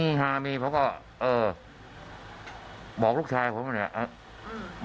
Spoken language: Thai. มีค่ะมีเพราะก็เออบอกลูกชายผมเนี้ยอืม